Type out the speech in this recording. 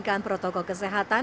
dan kekuasaan untuk mengelola